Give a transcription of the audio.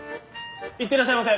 行ってらっしゃいませ！